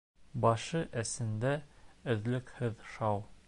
Башы эсендә өҙлөкһөҙ шау.